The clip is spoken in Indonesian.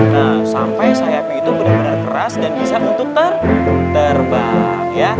nah sampai sayap itu benar benar keras dan bisa untuk terbang ya